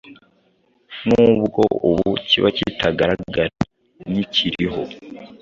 nubwo ubu kiba kitagaragara nk’ikiriho.